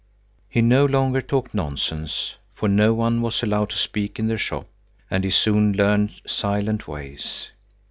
He no longer talked nonsense, for no one was allowed to speak in the shop, and he soon learned silent ways.